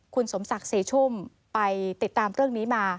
คุณสมศักดิ์ศรีชุ่มไปติดตามเรื่องนี้มา